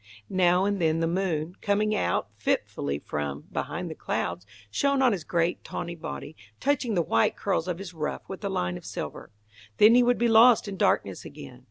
Now and then the moon, coming out fitfully from, behind the clouds, shone on his great tawny body, touching the white curls of his ruff with a line of silver. Then he would be lost in darkness again.